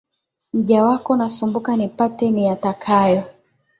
Mja wako nasumbuka, nipate niyatakayo.